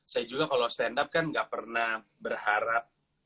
saya juga kalau stand up kan gak pernah berharap